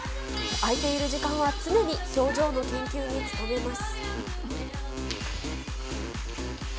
空いている時間は常に、表情の研究に努めます。